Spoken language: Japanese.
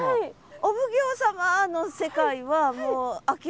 お奉行様の世界はもう諦めたの？